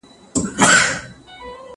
زه به سبا تمرين کوم؟